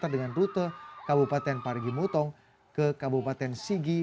dengan rute kabupaten parigi mutong ke kabupaten sigi